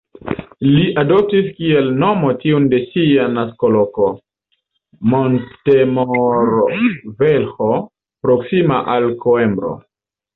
Li adoptis kiel nomo tiun de sia naskoloko, Montemor-o-Velho, proksima al Koimbro.